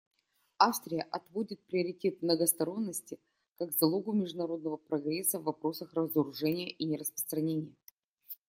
Австрия отводит приоритет многосторонности как залогу международного прогресса в вопросах разоружения и нераспространения.